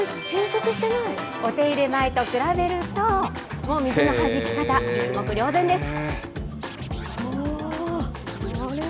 お手入れ前と比べると、水のはじき方、一目瞭然です。